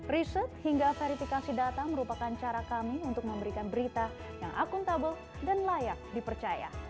riset hingga verifikasi data merupakan cara kami untuk memberikan berita yang akuntabel dan layak dipercaya